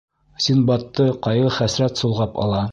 Синдбадты ҡайғы-хәсрәт солғап ала.